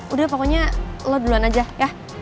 udah pokoknya lo duluan aja ya